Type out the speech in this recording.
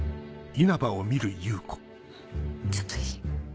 ちょっといい？